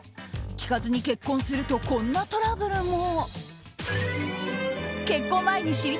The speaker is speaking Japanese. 聞かずに結婚するとこんなトラブルも。